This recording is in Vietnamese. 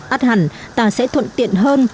át hẳn ta sẽ thuận tiện hơn